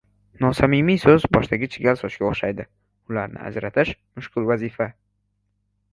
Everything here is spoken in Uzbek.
• Nosamimiy so‘z boshdagi chigal sochga o‘xshaydi: ularni ajratish — mushkul vazifa.